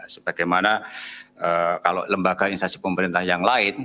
sebagaimana kalau lembaga instansi pemerintah yang lain